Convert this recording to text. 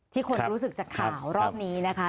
คนรู้สึกจากข่าวรอบนี้นะคะ